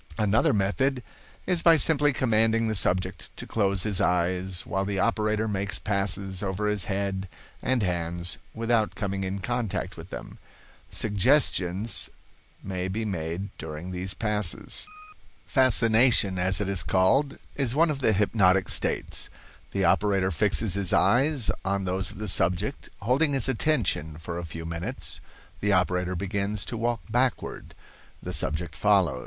"Another method is by simply commanding the subject to close his eyes, while the operator makes passes over his head and hands without coming in contact with them. Suggestions may be made during these passes. "Fascination, as it is called, is one of the hypnotic states. The operator fixes his eyes on those of the subject. Holding his attention for a few minutes, the operator begins to walk backward; the subject follows.